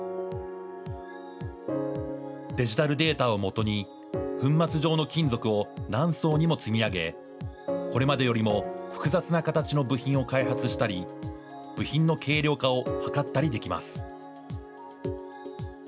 デジタルデータを基に、粉末状の金属を何層にも積み上げ、これまでよりも複雑な形の部品を開発したり、部品の軽量化を図ったりできます。